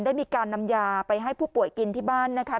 ได้มีการนำยาไปให้ผู้ป่วยกินที่บ้านนะคะ